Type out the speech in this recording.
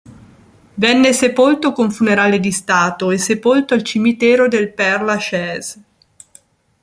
Venne sepolto con funerale di stato e sepolto al cimitero del Père Lachaise.